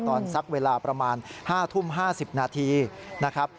สักเวลาประมาณ๕ทุ่ม๕๐นาทีนะครับ